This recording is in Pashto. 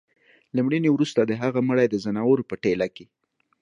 له مړيني وروسته د هغه مړى د ځناورو په ټېله کي